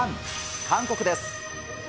韓国です。